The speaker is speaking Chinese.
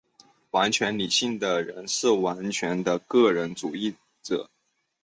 完全理性的人是完全的个人主义者。